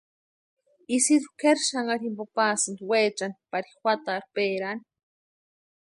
Isidru kʼeri xanharu jimpo pasïnti weechani pari juatarhu péraani.